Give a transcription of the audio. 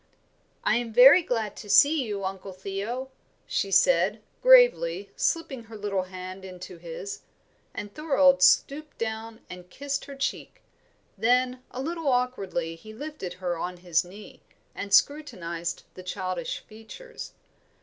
"I am very glad to see you, Uncle Theo," she said, gravely, slipping her little hand into his. And Thorold stooped down and kissed her cheek; then a little awkwardly he lifted her on his knee, and scrutinised the childish features.